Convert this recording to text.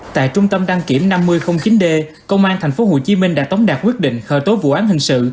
tại trung tâm đăng kiểm năm mươi chín d công an tp hcm đã tống đạt quyết định khởi tố vụ án hình sự